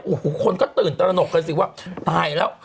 โอ้โหคนก็ตื่นตระหนกกันสิว่าตายแล้ว